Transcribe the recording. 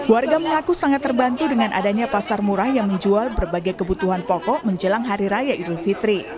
warga mengaku sangat terbantu dengan adanya pasar murah yang menjual berbagai kebutuhan pokok menjelang hari raya idul fitri